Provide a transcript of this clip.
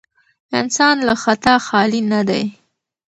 انسان له خطا خالي نه دی.